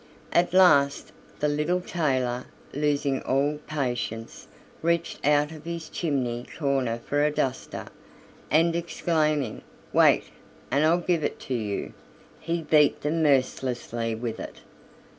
At last the little tailor, losing all patience, reached out of his chimney corner for a duster, and exclaiming: "Wait, and I'll give it to you," he beat them mercilessly with it.